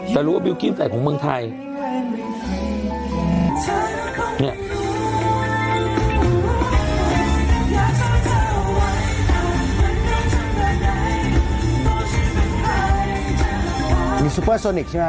แต่รู้ว่าบิลกิ้มใส่ของเมืองไทย